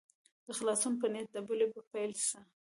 د خلاصون په نیت دبلي په پیل سه.